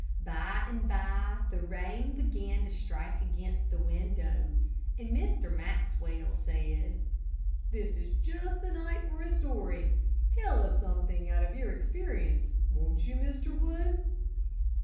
By and by the rain began to strike against the windows, and Mr. Maxwell said, "This is just the night for a story. Tell us something out of your experience, won't you, Mr. Wood?"